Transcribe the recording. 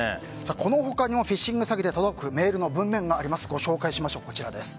この他にもフィッシング詐欺で届くメールの文面があります。